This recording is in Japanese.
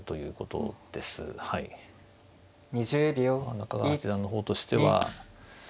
中川八段の方としては。